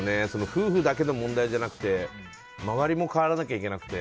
夫婦だけの問題だけじゃなくて周りも変わらなきゃいけなくて。